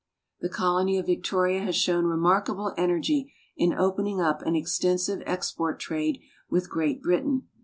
The colony of Victoria has shown remarkable energy in opening up an extensive exi>ort trade with ( Jreat Britain.